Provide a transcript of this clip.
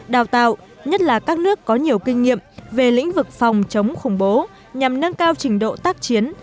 đào tạo nhất là các nước có nhiều kinh nghiệm về lĩnh vực phòng chống khủng bố nhằm nâng cao trình độ tác chiến